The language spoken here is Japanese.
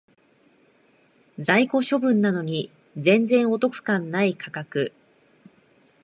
在庫処分なのに全然お得感ない価格